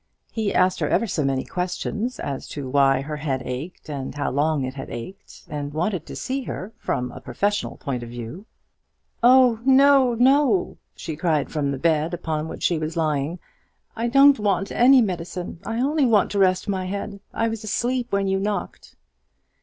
He asked her ever so many questions, as to why her head ached, and how long it had ached, and wanted to see her, from a professional point of view. "Oh, no, no!" she cried, from the bed upon which she was lying; "I don't want any medicine; I only want to rest my head; I was asleep when you knocked."